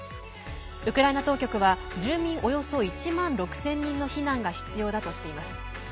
ウクライナ当局は住民およそ１万６０００人の避難が必要だとしています。